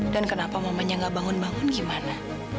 dan kenapa mamanya gak bangun bangun gimana